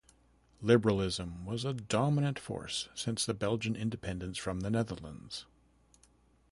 Liberalism was a dominant force since the Belgian independence from the Netherlands.